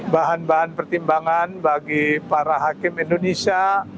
bahan bahan pertimbangan bagi para hakim indonesia